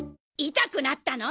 痛くなったの！